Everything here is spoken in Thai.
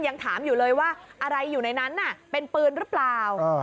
ยังถามอยู่เลยว่าอะไรอยู่ในนั้นน่ะเป็นปืนหรือเปล่า